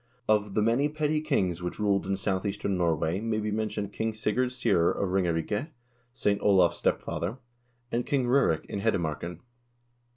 Of the many petty kings which ruled in southeastern Norway may be mentioned King Sigurd Syr of Ringerike, Saint Olav's stepfather ; and King R0rek in Hedemar ken.